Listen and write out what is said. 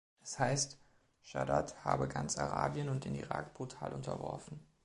Es heißt, Shaddad habe ganz Arabien und den Irak brutal unterworfen.